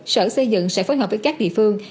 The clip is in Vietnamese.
sở xây dựng sẽ phối hợp với các địa phương